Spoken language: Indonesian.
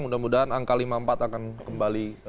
mudah mudahan angka lima puluh empat akan kembali